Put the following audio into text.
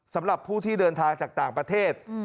สำหรับผู้ที่เดินทางจากต่างประเทศ